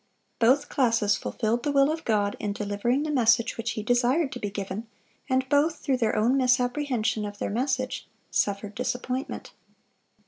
Both classes fulfilled the will of God in delivering the message which He desired to be given, and both, through their own misapprehension of their message, suffered disappointment.